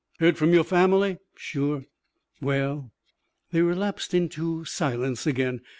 "Heard from your family?" "Sure." "Well " They relapsed into silence again.